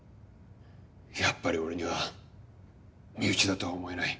やっぱり俺には身内だとは思えない。